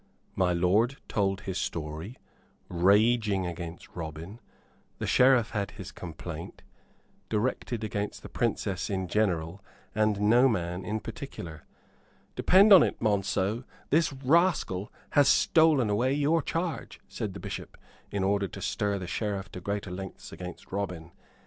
My lord told his story, raging against Robin; the Sheriff had his complaint directed against the Princess in general and no man in particular. "Depend on it, Monceux, this rascal hath stolen away your charge," said the Bishop, in order to stir the Sheriff to greater lengths against Robin.